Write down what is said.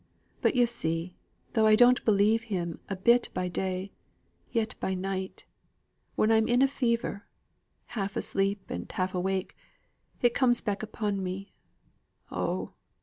But yo' see, though I don't believe him a bit by day, yet by night when I'm in a fever, half asleep and half awake it comes back upon me oh!